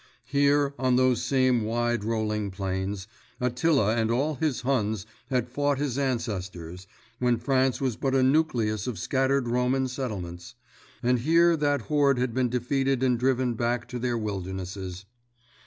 Here, on those same wide rolling plains, Attila and all his Huns had fought his ancestors when France was but a nucleus of scattered Roman settlements; and here that horde had been defeated and driven back to their wildernesses.